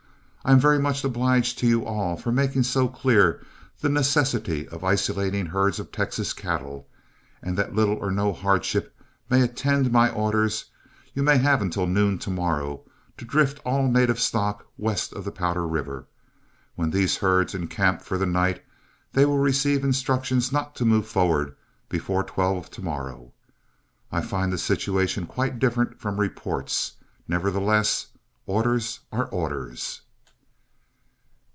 I am very much obliged to you all for making so clear the necessity of isolating herds of Texas cattle, and that little or no hardship may attend my orders, you may have until noon to morrow to drift all native stock west of the Powder River. When these herds encamp for the night, they will receive instructions not to move forward before twelve to morrow. I find the situation quite different from reports; nevertheless orders are orders."